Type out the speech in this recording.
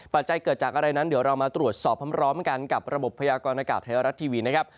จัยเกิดจากอะไรนั้นเดี๋ยวเรามาตรวจสอบพร้อมกันกับระบบพยากรณากาศไทยรัฐทีวีนะครับ